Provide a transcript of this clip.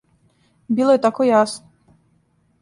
Било је тако јасно.